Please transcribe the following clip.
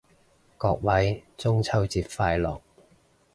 各位中秋節快樂